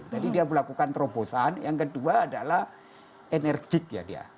jadi dia melakukan terobosan yang kedua adalah enerjik ya dia